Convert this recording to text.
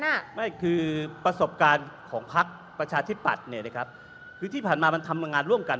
คุณอี้บอกว่ามันควรทำงานร่วมกันได้คุณจิลายุเขาบอกว่ามันควรทำงานร่วมกัน